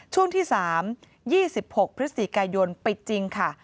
ช่วงที่๓๒๖พคปิดจริงค่ะ